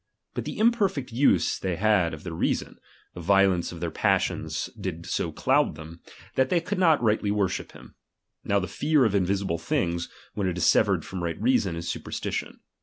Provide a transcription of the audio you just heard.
But the imperfect use they "''^''™'"""' had of their reason, the violence of their passions ttd so cloud them, that they could not rightly worship him. Now the fear of invisible things, when it is severed from right reason, is supersti tion.